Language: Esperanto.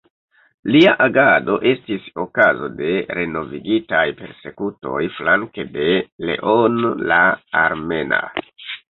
Lia agado estis okazo de renovigitaj persekutoj flanke de Leono la Armena.